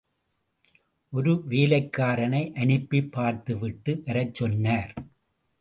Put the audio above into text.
ஒரு வேலைக்காரனை அனுப்பிப் பார்த்துவிட்டு வரச் சொன்னார்.